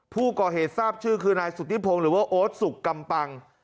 ผู้ก่อเหตุทราบชื่อคือนายสุธิพงศ์หรือว่าโอ๊ตสุขกำปัง